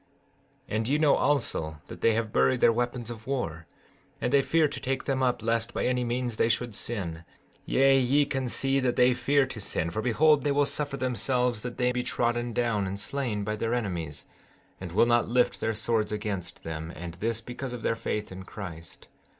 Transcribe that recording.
15:9 And ye know also that they have buried their weapons of war, and they fear to take them up lest by any means they should sin; yea, ye can see that they fear to sin—for behold they will suffer themselves that they be trodden down and slain by their enemies, and will not lift their swords against them, and this because of their faith in Christ.